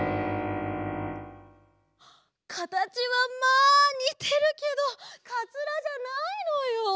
かたちはまあにてるけどかつらじゃないのよ。